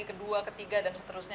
kedua ketiga dan seterusnya